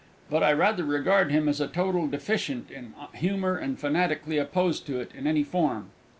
But I rather regard him as a total deficient in Humour and fanatically opposed to it in any form.